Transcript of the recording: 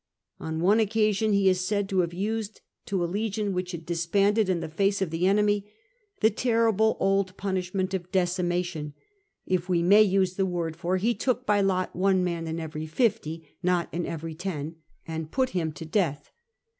On one occasion he is said to have used, to a legion which had disbanded in the face of the enemy, the terrible old punishment of decimation (if we may use the word, for he took by lot one man in every fifty, not in every ten, and put him to death).